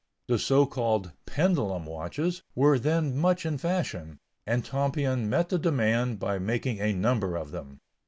The so called "pendulum watches" were then much in fashion, and Tompion met the demand by making a number of them.